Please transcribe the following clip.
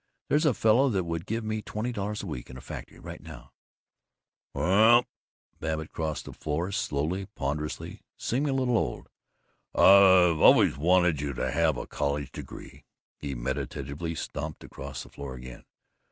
There's a fellow that would give me twenty dollars a week in a factory right now." "Well " Babbitt crossed the floor, slowly, ponderously, seeming a little old. "I've always wanted you to have a college degree." He meditatively stamped across the floor again.